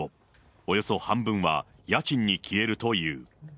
およそ半分は家賃に消えるという。